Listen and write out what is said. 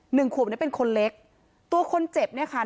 หนึ่งขวบเนี้ยเป็นคนเล็กตัวคนเจ็บเนี่ยค่ะ